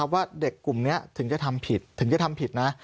ว่าเด็กกลุ่มนี้ถึงจะทำผิดถึงจะทำผิดนะ